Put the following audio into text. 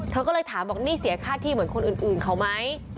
เธอก็เลยถามบอกนี่เสียค่าที่เหมือนคนอื่นเขาไหม